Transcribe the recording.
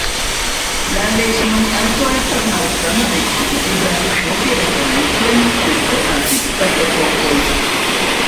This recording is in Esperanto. La lejŝmaniazo estas malsano de kiu eblas trovi referencojn en tre antikvaj epokoj.